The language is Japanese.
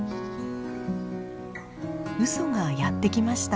ウソがやって来ました。